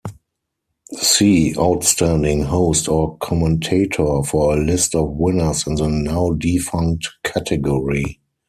See Outstanding Host or Commentator for a list of winners in the now-defunct category.